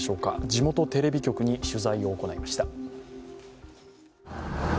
地元テレビ局に取材を行いました。